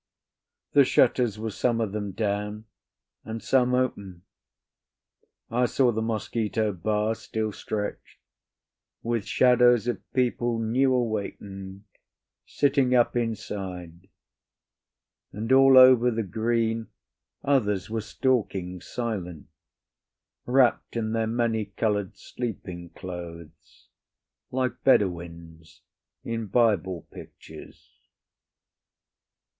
The shutters were some of them down and some open; I saw the mosquito bars still stretched, with shadows of people new awakened sitting up inside; and all over the green others were stalking silent, wrapped in their many coloured sleeping clothes like Bedouins in Bible pictures.